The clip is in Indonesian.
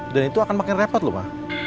dan itu akan makin repot loh ma